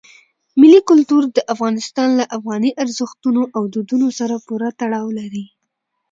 ملي کلتور د افغانستان له افغاني ارزښتونو او دودونو سره پوره تړاو لري.